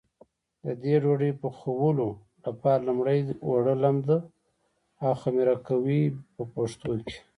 د دې ډوډۍ پخولو لپاره لومړی اوړه لمد او خمېره کوي په پښتو کې.